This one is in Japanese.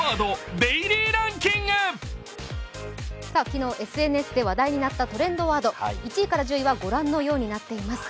昨日ＳＮＳで話題になったトレンドワード１位から１０はご覧のようになっています。